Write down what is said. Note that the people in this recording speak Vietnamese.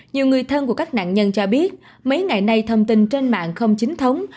nhiều người thân của các nạn nhân cho biết mấy ngày nay thông tin trên mạng không chính thống